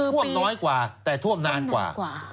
ท่วมน้อยกว่าแต่ท่วมนานกว่า